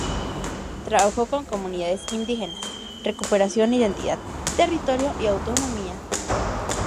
Trabajó con Comunidades Indígenas, Recuperación Identidad, Territorio y Autonomía.